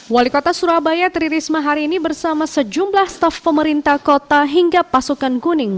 wali kota surabaya tri risma hari ini bersama sejumlah staf pemerintah kota hingga pasukan kuning